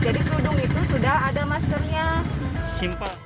jadi kerudung itu sudah ada maskernya